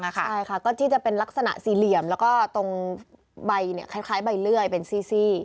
ใช่ค่ะก็ที่จะเป็นลักษณะสี่เหลี่ยมแล้วก็ตรงใบคล้ายใบเลื่อยเป็นซี่